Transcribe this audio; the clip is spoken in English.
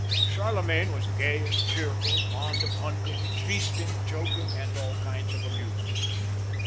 Charlemagne was gay and cheerful, fond of hunting, feasting, joking, and 4U kinds of amusement.